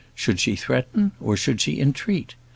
Should she threaten, or should she entreat?